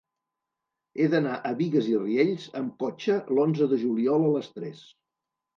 He d'anar a Bigues i Riells amb cotxe l'onze de juliol a les tres.